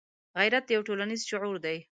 غیرت یو ټولنیز شعور دی